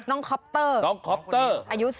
น้องคอปเตอร์น้องคอปเตอร์